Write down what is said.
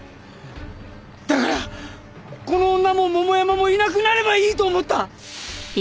だからこの女も桃山もいなくなればいいと思った！